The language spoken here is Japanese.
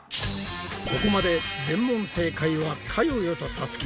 ここまで全問正解はかよよとさつき。